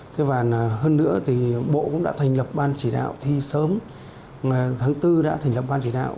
thế và hơn nữa thì bộ cũng đã thành lập ban chỉ đạo thi sớm tháng bốn đã thành lập ban chỉ đạo